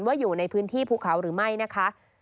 อยู่ในพื้นที่ภูเขาหรือไม่นะคะ